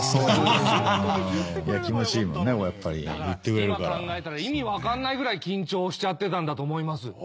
だから今考えたら意味分かんないぐらい緊張しちゃってたんだと思います。